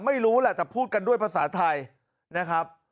ไม่รู้ว่าจะพูดกันด้วยภาษาไทยนะครับ